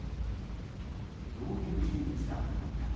どういう人物だったのか。